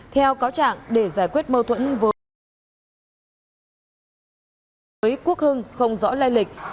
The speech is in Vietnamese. theo cáo trạng để giải quyết mâu thuẫn với quốc hưng không rõ lai lịch